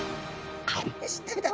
よし食べた。